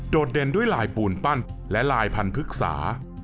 เด่นด้วยลายปูนปั้นและลายพันธึกษา